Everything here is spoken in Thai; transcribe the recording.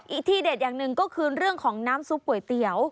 ที่เด็ดอย่างหนึ่งก็คือเรื่องของน้ำซุปก๋วยเตี๋ยว